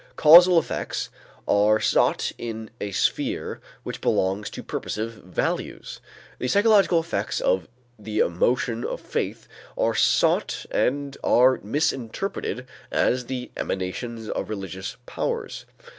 Causal effects are sought in a sphere which belongs to purposive values. The psychological effects of the emotion of faith are sought and are misinterpreted as the emanations of religious powers.